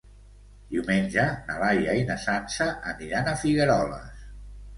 Diumenge na Laia i na Sança aniran a Figueroles.